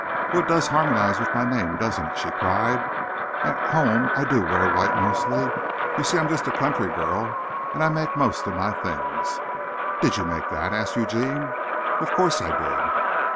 "Oh, it does harmonize with my name, doesn't it?" she cried. "At home I do wear white mostly. You see I'm just a country girl, and I make most of my things." "Did you make that?" asked Eugene. "Of course I did."